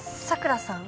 桜さん？